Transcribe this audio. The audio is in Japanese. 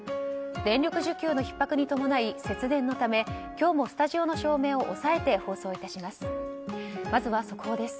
電力需給のひっ迫に伴い節電のため今日もスタジオの照明を抑えて放送いたします。